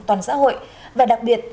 toàn xã hội và đặc biệt